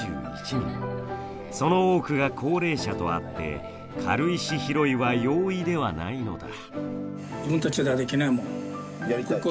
その多くが高齢者とあって軽石拾いは容易ではないのだ。